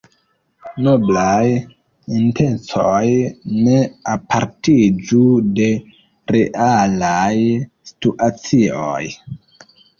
Noblaj intencoj ne apartiĝu de realaj situacioj.